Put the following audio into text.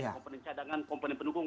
komponen cadangan komponen pendukung